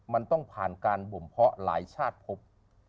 มันต้องผ่านการบ่มเพาะหลายชาติพบ